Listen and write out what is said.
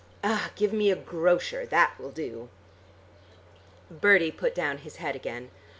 Ah! give me a grocer. That will do!" Bertie put down his head again.